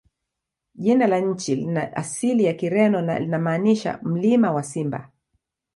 Jina la nchi lina asili ya Kireno na linamaanisha "Mlima wa Simba".